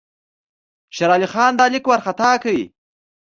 شېر علي خان دا لیک وارخطا کړ.